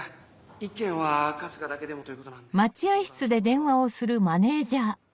１件は春日だけでもということなんで相談しようかと。